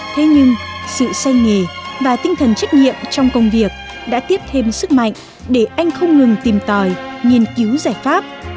thế nhưng sự say nghề và tinh thần trách nhiệm trong công việc đã tiếp thêm sức mạnh để anh không ngừng tìm tòi nghiên cứu giải pháp